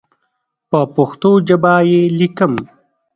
په پښتو ژبه یې لیکم.